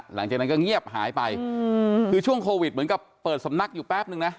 หลังจากนั้นก็เงียบหายไปคือช่วงโควิดเหมือนกับเปิดสำนักอยู่แป๊บนึงนะ